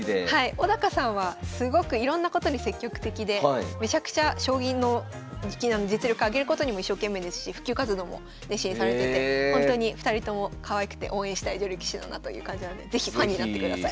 小さんはすごくいろんなことに積極的でめちゃくちゃ将棋の実力上げることにも一生懸命ですし普及活動も熱心にされててほんとに２人ともかわいくて応援したい女流棋士だなという感じなので是非ファンになってください。